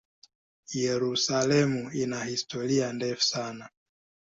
Yerusalemu ina historia ndefu sana.